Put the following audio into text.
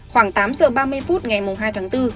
khoảng tám giờ ba mươi phút ngày hai tháng bốn